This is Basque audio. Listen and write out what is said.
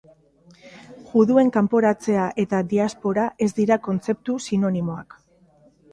Juduen kanporatzea eta diaspora ez dira kontzeptu sinonimoak.